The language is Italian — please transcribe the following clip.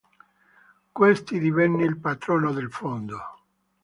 Questi divenne il patrono del Fondo.